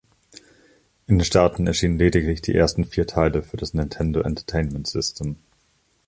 In den Staaten erschienen lediglich die ersten vier Teile für das Nintendo Entertainment System.